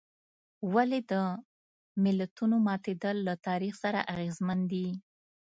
ولې د ملتونو ماتېدل له تاریخ څخه اغېزمن دي.